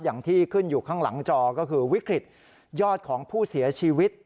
อย่างที่ขึ้นอยู่ข้างหลังจอก็คือวิกฤตยอดของผู้เสียชีวิต